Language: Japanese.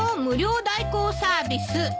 無料代行サービス。